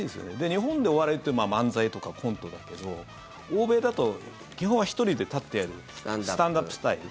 日本でお笑いというと漫才とかコントだけど欧米だと基本は１人で立ってやるスタンドアップスタイル。